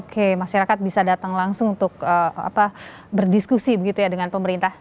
oke masyarakat bisa datang langsung untuk berdiskusi begitu ya dengan pemerintah